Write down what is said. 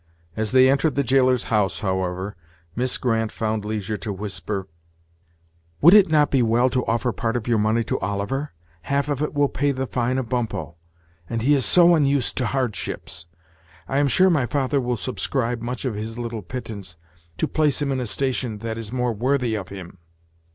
As they entered the jailer's house, however, Miss Grant found leisure to whisper: "Would it not be well to offer part of your money to Oliver? half of it will pay the fine of Bumppo; and he is so unused to hardships! I am sure my father will subscribe much of his little pittance, to place him in a station that is more worthy of him."